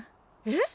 えっ？